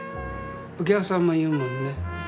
お客さんも言うもんね。